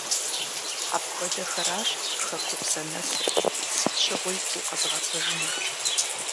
Апхуэдэхэращ хэкупсэ нэсыр, сыт щыгъуи укъэзыгъэпэжынур.